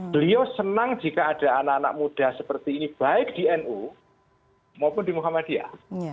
beliau senang jika ada anak anak muda seperti ini baik di nu maupun di muhammadiyah